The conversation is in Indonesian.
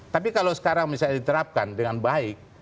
tapi kalau sekarang misalnya diterapkan dengan baik